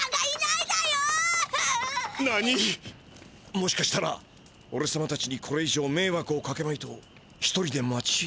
もしかしたらおれさまたちにこれいじょうめいわくをかけまいと一人で町へ。